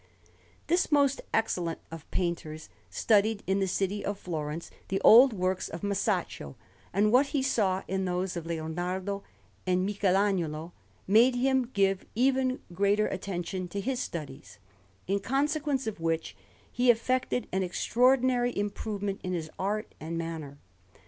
This most excellent of painters studied in the city of Florence the old works of Masaccio; and what he saw in those of Leonardo and Michelagnolo made him give even greater attention to his studies, in consequence of which he effected an extraordinary improvement in his art and manner.